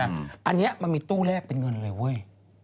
อย่างนี้มันมีตู้แลกเป็นเงินเลย